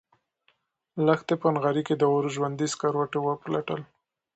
لښتې په نغري کې د اور ژوندي سکروټي وپلټل.